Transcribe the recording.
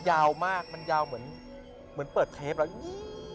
ยาวมากมันยาวเหมือนเปิดเทปแล้วนี่